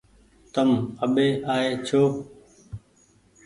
تم آٻي آئي ڇو